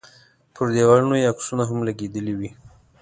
پر دیوالونو یې عکسونه هم لګېدلي وي.